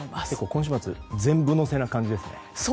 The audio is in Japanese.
今週末は全部乗せな感じですか。